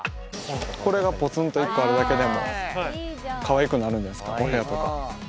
これがぽつんと１個あるだけでもかわいくなるんですお部屋とか。